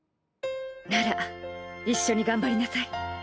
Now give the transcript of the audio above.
なら一緒に頑張りなさい。